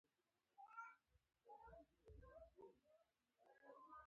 افغانستان تر هغو نه ابادیږي، ترڅو ټاکلي وخت ته پابند نشو.